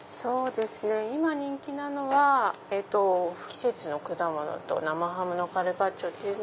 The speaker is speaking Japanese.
今人気なのは季節の果物と生ハムのカルパッチョ。